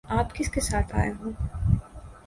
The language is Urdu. آپ کس کے ساتھ آئے ہو؟